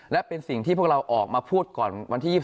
และเป็นสิ่งที่พวกเราออกมาพูดก่อนวันที่๒๒